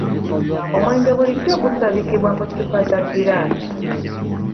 Omwenge bulijjo gusabikibwa mu ccupa za giraasi.